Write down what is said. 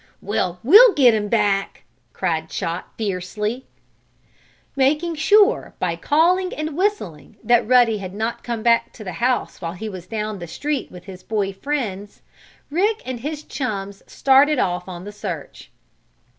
"Well, we'll get him back!" cried Chot, fiercely. Making sure, by calling and whistling, that Ruddy had not come back to the house while he was down street with his boy friends, Rick and his chums started off on the search.